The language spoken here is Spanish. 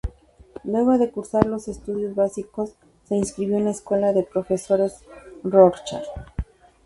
Luego de cursar los estudios básicos se inscribió en la Escuela de Profesores Rorschach.